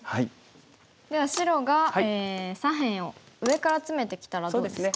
では白が左辺を上からツメてきたらどうですか？